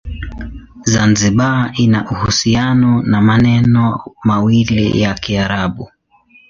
Zanzibar ina uhusiano na maneno mawili ya Kiarabu.